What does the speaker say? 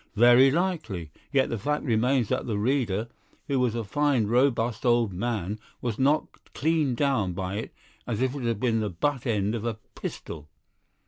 "Very likely. Yet the fact remains that the reader, who was a fine, robust old man, was knocked clean down by it as if it had been the butt end of a pistol."